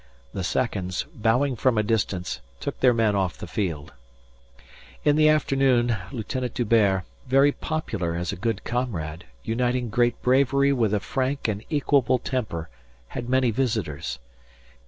The seconds, bowing from a distance, took their men off the field. In the afternoon, Lieutenant D'Hubert, very popular as a good comrade uniting great bravery with a frank and equable temper, had many visitors.